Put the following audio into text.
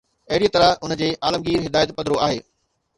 اهڙيء طرح، ان جي عالمگير هدايت پڌرو آهي.